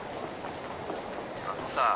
あのさ。